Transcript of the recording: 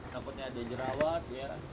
sampai ada jerawat